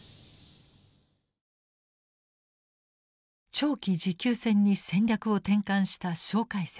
長期持久戦に戦略を転換した介石。